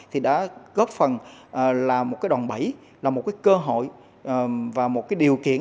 thì đã góp phần là một cái đòn bẫy là một cái cơ hội và một cái điều kiện